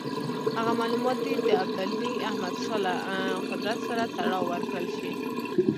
هغه معلومات دې د ابدالي احمدشاه له قدرت سره تړاو ورکړل شي.